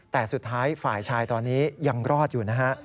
แต่สุดท้ายฝ่ายชายตอนนี้ยังรอดอยู่นะฮะ